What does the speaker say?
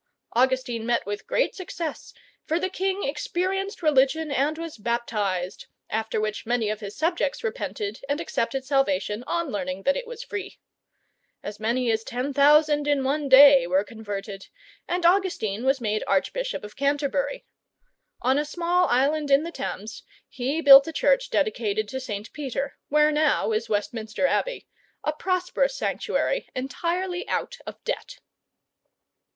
Augustine met with great success, for the king experienced religion and was baptized, after which many of his subjects repented and accepted salvation on learning that it was free. As many as ten thousand in one day were converted, and Augustine was made Archbishop of Canterbury. On a small island in the Thames he built a church dedicated to St. Peter, where now is Westminster Abbey, a prosperous sanctuary entirely out of debt.